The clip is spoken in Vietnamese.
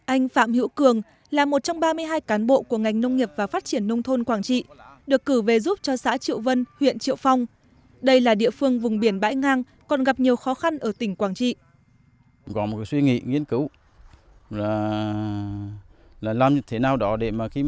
anh phạm hữu cường là một trong ba mươi hai cán bộ của ngành nông nghiệp và phát triển nông thôn quảng trị được cử về giúp cho xã triệu vân huyện triệu phong đây là địa phương vùng biển bãi ngang còn gặp nhiều khó khăn ở tỉnh quảng trị